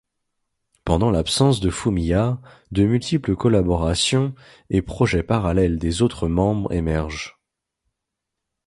Pendant l'absence de Fumiya, de multiples collaborations et projets parallèles des autres membres émergent.